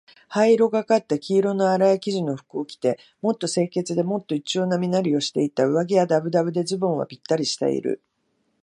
灰色がかった黄色のあらい生地の服を着て、もっと清潔で、もっと一様な身なりをしていた。上衣はだぶだぶで、ズボンはぴったりしている。